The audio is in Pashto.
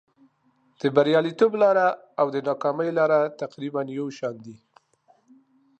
د بریالیتوب لاره او د ناکامۍ لاره تقریبا یو شان دي.